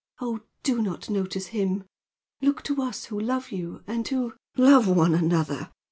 "Oh, do not notice him. Look to us who love you, and who " "Love one another!"